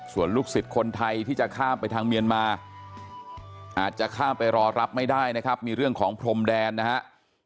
ส่วนลูกศิษย์คนไทยที่จะข้ามไปทางเมียนมาอาจจะข้ามไปรอรับไม่ได้นะครับมีเรื่องของพรมแดนนะครับ